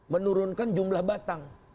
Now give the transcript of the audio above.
menurunkan jumlah batang